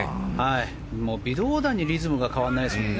微動だにリズムが変わらないですもんね。